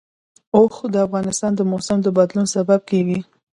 اوښ د افغانستان د موسم د بدلون سبب کېږي.